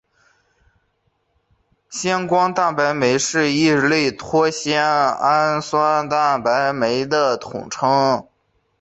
胱天蛋白酶是一类半胱氨酸蛋白酶的统称。